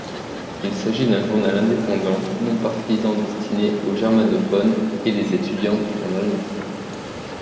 Il s'agit d'un journal indépendant, non-partisan destiné aux germanophones et les étudiants en Allemand.